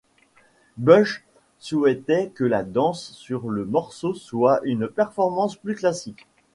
Bush souhaitait que la danse sur le morceau soit une performance plus classique.